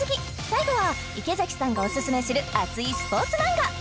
最後は池崎さんがオススメする熱いスポーツマンガ